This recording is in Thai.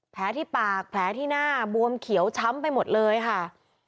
แผลที่ปากแผลที่หน้าบวมเขียวช้ำไปหมดเลยค่ะ